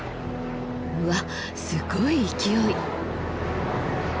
うわすごい勢い。